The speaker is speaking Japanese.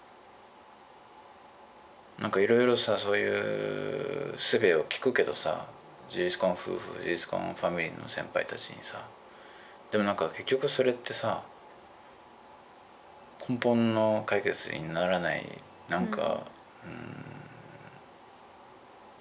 なんかいろいろさそういうすべを聞くけどさ事実婚夫婦事実婚ファミリーの先輩たちにさでもなんか結局それってさ根本の解決にならないなんかうん。